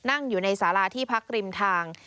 นั่งอยู่ในสาราที่พักริมทาง